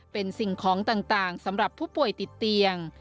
เป็นสิ่งของต่างสำหรับผู้ป่วยติดเตียง